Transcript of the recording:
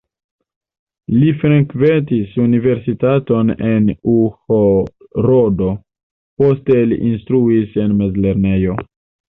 Li frekventis universitaton en Uĵhorodo, poste li instruis en mezlernejo.